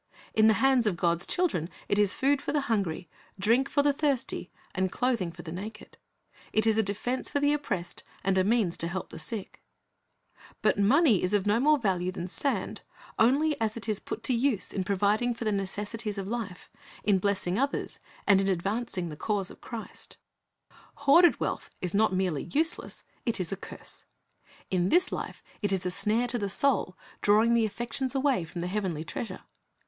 In the hands of God's children it is food for the hungry, drink for the thirsty, and clothing for the naked. It is a defense for the oppressed, and a means of help to the sick. But money is of no more value than sand, only as it is put to use in providing for the necessities of life, in blessing others, and advancing the cause of Christ. 352 Chris t*s Object Lessons Hoarded wealth is not merely useless, it is a curse. In this life it is a snare to the soul, drawing the affections away from the heavenly treasure.